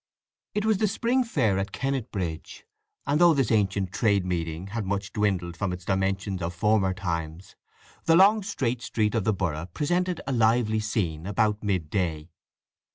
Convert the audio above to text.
It was the spring fair at Kennetbridge, and, though this ancient trade meeting had much dwindled from its dimensions of former times, the long straight street of the borough presented a lively scene about midday.